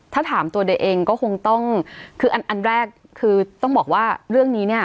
ถ้าถามตัวเด็กเองก็คงต้องคืออันแรกคือต้องบอกว่าเรื่องนี้เนี่ย